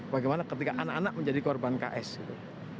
bagaimana ketika anak anak menjadi korban ks gitu